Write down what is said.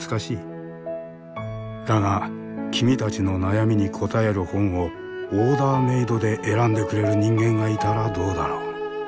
だが君たちの悩みに答える本をオーダーメードで選んでくれる人間がいたらどうだろう？